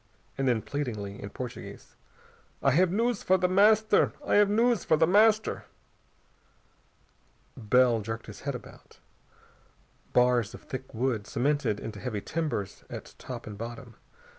And then pleadingly, in Portuguese, "I have news for The Master! I have news for The Master!" Bell jerked his head about. Bars of thick wood, cemented into heavy timbers at top and bottom.